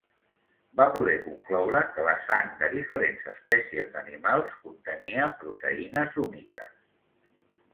Va poder concloure que la sang de diferents espècies d'animals contenia proteïnes úniques.